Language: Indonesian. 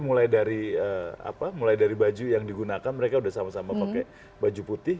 jadi mulai dari baju yang digunakan mereka sudah sama sama pakai baju putih